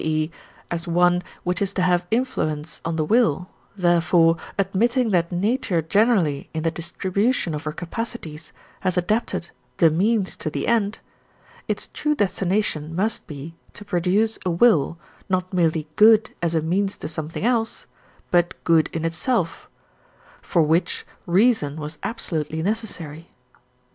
e., as one which is to have influence on the will, therefore, admitting that nature generally in the distribution of her capacities has adapted the means to the end, its true destination must be to produce a will, not merely good as a means to something else, but good in itself, for which reason was absolutely necessary.